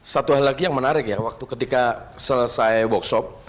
satu hal lagi yang menarik ya waktu ketika selesai workshop